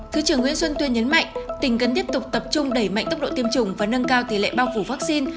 thứ trưởng nguyễn xuân tuyên nhấn mạnh tỉnh cần tiếp tục tập trung đẩy mạnh tốc độ tiêm chủng và nâng cao tỷ lệ bao phủ vaccine